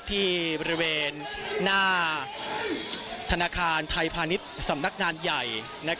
ที่บริเวณหน้าธนาคารไทยพาณิชย์สำนักงานใหญ่